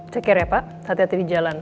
take care ya pak hati hati di jalan